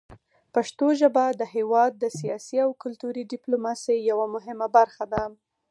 پښتو ژبه د هېواد د سیاسي او کلتوري ډیپلوماسۍ یوه مهمه برخه ده.